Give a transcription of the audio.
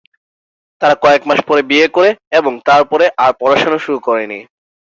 তারা কয়েক মাস পরে বিয়ে করে, এবং তার পরে আর পড়াশোনা শুরু করেনি।